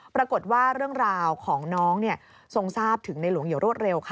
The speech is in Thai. ปรากฏว่าเรื่องราวของน้องทรงทราบถึงในหลวงอย่างรวดเร็วค่ะ